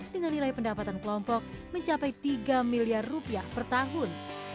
dengan nilai pendapatan kelompok mencapai tiga miliar rupiah per tahun